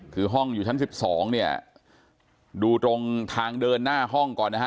คือห้องอยู่ชั้น๑๒เนี่ยดูตรงทางเดินหน้าห้องก่อนนะฮะ